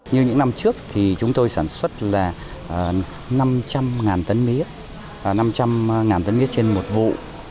như những năm trước thì chúng tôi sản xuất là năm trăm linh tấn mía năm trăm linh tấn mía trên một vụ